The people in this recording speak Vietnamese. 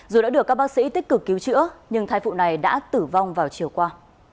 dù đã được các bác sĩ tích cực cứu chữa nhưng thai phụ này đã tử vong vào chiều qua